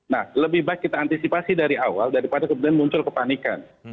nah lebih baik kita antisipasi dari awal daripada kemudian muncul kepanikan